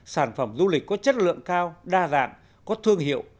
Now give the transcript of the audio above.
sản phẩm du lịch có chất lượng cao đa dạng có thương hiệu